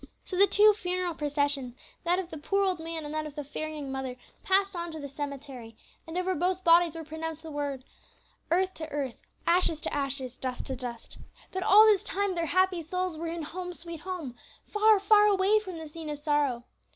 So the two funeral processions that of the poor old man, and that of the fair young mother passed on to the cemetery, and over both bodies were pronounced the words, "Earth to earth, ashes to ashes, dust to dust." But all this time their happy souls were in "Home, sweet Home," far, far away from the scene of sorrow.